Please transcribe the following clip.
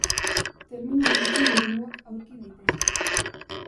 Termino honekin hurrengoak aurki daitezke.